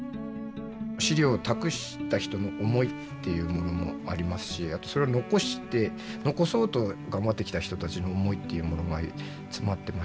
資料を託した人の思いっていうものもありますしあとそれを残して残そうと頑張ってきた人たちの思いっていうものが詰まってましたので。